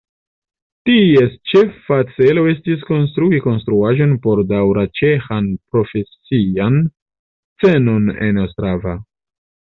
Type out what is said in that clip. Ties ĉefa celo estis konstrui konstruaĵon por daŭra ĉeĥan profesian scenon en Ostrava.